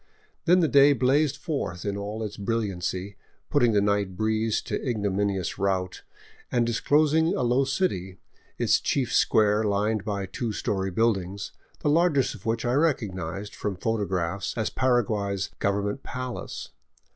Then the day blazed forth in all its brilliancy, putting the night breeze to igno minious rout, and disclosing a low city, its chief square lined by two story buildings, the largest of which I recognized, from photographs, as Paraguay's government palace.